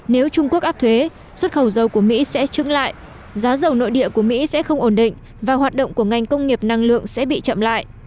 nếu trung quốc áp thuế xuất khẩu dầu của mỹ sẽ trứng lại giá dầu nội địa của mỹ sẽ không ổn định và hoạt động của ngành công nghiệp năng lượng sẽ bị chậm lại